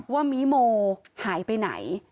ว่ามิโมหายไปไหน